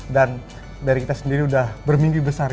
dan dari kita sendiri sudah berminggu besar